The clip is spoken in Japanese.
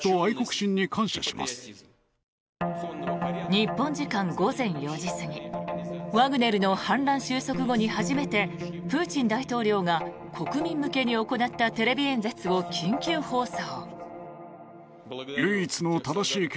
日本時間午前４時過ぎワグネルの反乱収束後に初めてプーチン大統領が国民に向けて行ったテレビ演説を緊急放送。